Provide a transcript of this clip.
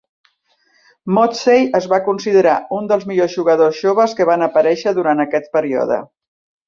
Moxey es va considerar un dels millors jugadors joves que van aparèixer durant aquest període.